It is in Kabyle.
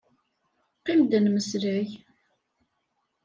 Qim-d ad nemmeslay.